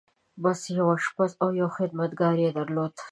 بس! يو آشپز او يو خدمتګار يې درلود.